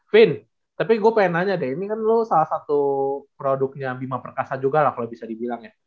fin tapi gue pengen nanya demmy kan lo salah satu produknya bima perkasa juga lah kalau bisa dibilang ya